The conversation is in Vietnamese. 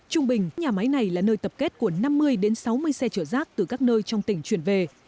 trung bình nhà máy này là nơi tập kết của năm mươi sáu mươi xe chở rác từ các nơi trong tỉnh chuyển về